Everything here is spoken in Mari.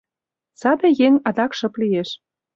Саде еҥ адак шып лиеш.